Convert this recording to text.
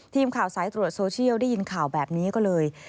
ทีมข่าวสายตรวจโซเชียลได้ยินข่าวแบบนี้ก็เลย